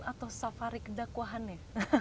atau safari kedakwahannya